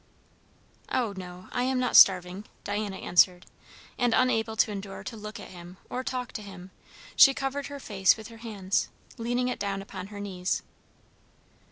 "O no, I am not starving," Diana answered; and unable to endure to look at him or talk to him, she covered her face with her hands, leaning it down upon her knees.